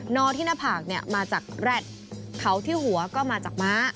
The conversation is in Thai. นอที่หน้าผากเนี่ยมาจากแรดเขาที่หัวก็มาจากมะ